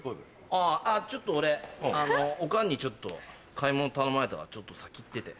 あぁちょっと俺おかんに買い物頼まれたからちょっと先行ってて。